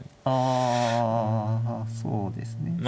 あそうですね。